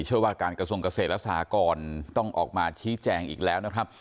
ว่าการกระทรวงเกษตรและสหกรต้องออกมาชี้แจงอีกแล้วนะครับ